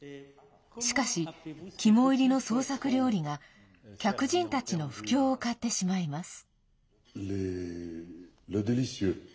しかし、肝煎りの創作料理が客人たちの不興を買ってしまいます。